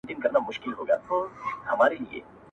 زما خوله كي شپېلۍ اشنا,